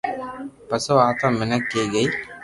پسو او آتما مينک ڪني گئي